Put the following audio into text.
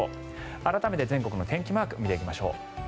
改めて全国の天気マークを見ていきましょう。